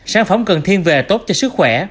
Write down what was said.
sản phẩm cần thiên về tốt cho sức khỏe